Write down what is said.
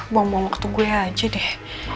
buang buang waktu gue aja deh